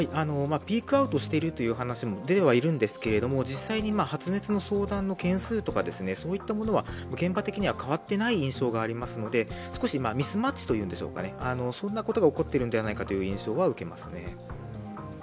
ピークアウトしているという話も出てはいるんですけれども実際に発熱の相談の件数とかそういったものは現場的には変わっていない印象がありますので、少しミスマッチというんでしょうか、そんなことが起こっているんではないかという印象を受けますね。